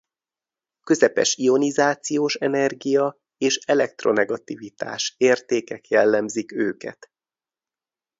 Közepes ionizációs energia és elektronegativitás értékek jellemzik őket.